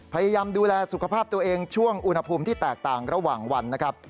พยายามดูแลสุขภาพตัวเองช่วงอุณหภูมิที่แตกต่างระหว่างวันนะครับ